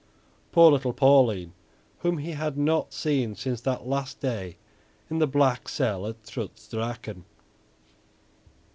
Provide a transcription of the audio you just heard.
Poor little Pauline, whom he had not seen since that last day in the black cell at Trutz Drachen.